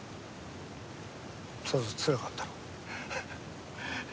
さぞつらかったろう。